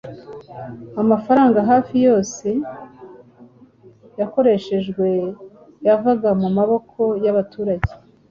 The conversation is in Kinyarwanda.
Amafaranga hafi yose yakoreshejwe yavaga mu maboko y'abaturage